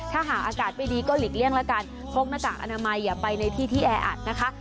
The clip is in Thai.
ถ้าหากอากาศไม่ดีก็หลีกเลี่ยงแล้วกันพกหน้ากากอนามัยอย่าไปในที่ที่แออัดนะคะ